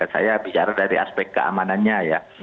saya bicara dari aspek keamanannya ya